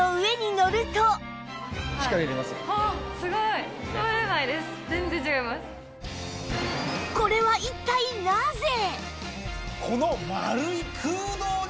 そうこれは一体なぜ？